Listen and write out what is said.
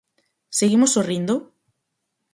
¿Seguimos sorrindo?